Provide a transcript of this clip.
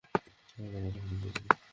না, ব্যাপারটা খুবই বিপজ্জনক।